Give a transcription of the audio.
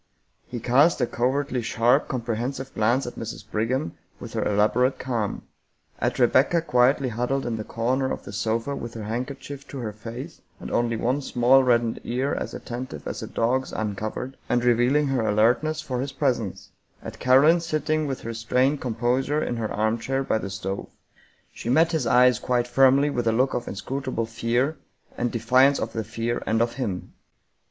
He cast a covertly sharp, comprehensive glance at Mrs. Brigham with her elaborate calm; at Rebecca quietly huddled in the corner of the sofa with her handkerchief to her face and only one small reddened ear as attentive as a dog's uncovered and 52 Mary E. Wilkins Freeman revealing her alertness for his presence; at Caroline sitting with a strained composure in her armchair by the stove. She met his eyes quite firmly with a look of inscrutable fear, and defiance of the fear and of him.